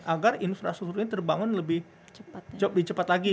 agar infrastrukturnya terbangun lebih cepat lagi